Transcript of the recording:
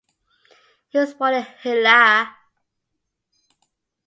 He was born in Hillah.